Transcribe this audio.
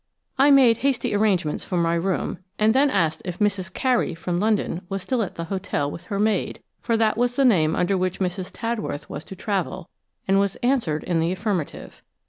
I made hasty arrangements for my room, and then asked if "Mrs. Carey," from London, was still at the hotel with her maid–for that was the name under which Mrs. Tadworth was to travel–and was answered in the affirmative.